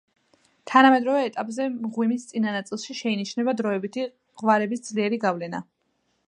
თანამედროვე ეტაპზე მღვიმის წინა ნაწილში შეინიშნება დროებითი ღვარების ძლიერი გავლენა.